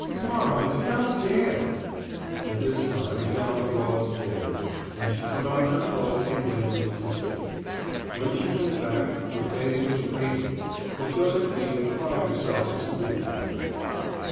"Mamma, do not dare!" But this time Madame Labrosse dared, and she put on her cloak and went into the city. When she came back her face was radiant, but Josephine cried herself to sleep that night.